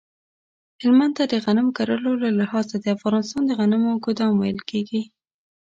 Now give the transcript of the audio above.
هلمند ته د غنم کرلو له لحاظه د افغانستان د غنمو ګدام ویل کیږی